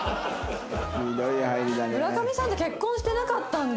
村上さんって結婚してなかったんだ。